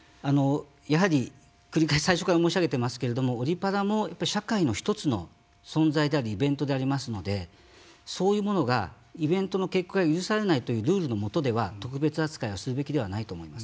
やはり最初から申し上げてますけれどもオリパラも社会の１つの存在でありイベントでありますのでそういうものがイベントの結果が許されないという中では特別扱いをするべきではないと思います。